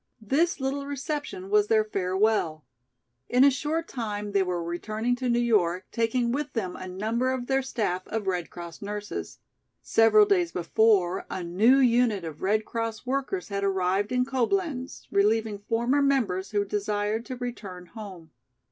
This little reception was their farewell. In a short time they were returning to New York taking with them a number of their staff of Red Cross nurses. Several days before a new unit of Red Cross workers had arrived in Coblenz, relieving former members who desired to return home.